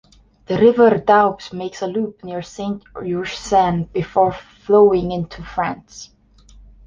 The river Doubs makes a loop near Saint-Ursanne before flowing into France.